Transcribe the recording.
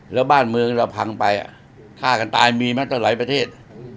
แล้วบ้านเมืองเราพังไปฆ่ากันตายมีมาตั้งหลายประเทศ